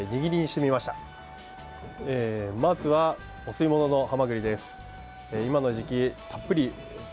まずは、お吸い物のハマグリです。